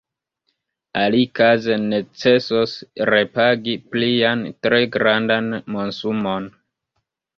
Alikaze necesos repagi plian, tre grandan monsumon.